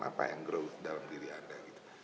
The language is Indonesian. apa yang grow dalam diri anda